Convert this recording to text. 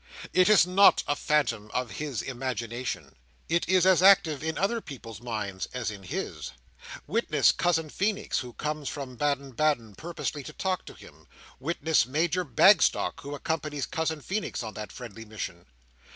It is not a phantom of his imagination. It is as active in other people's minds as in his. Witness Cousin Feenix, who comes from Baden Baden, purposely to talk to him. Witness Major Bagstock, who accompanies Cousin Feenix on that friendly mission.